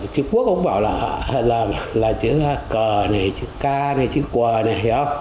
chữ quốc cũng bảo là chữ cờ này chữ ca này chữ quờ này